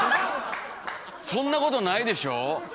そんなことないでしょう？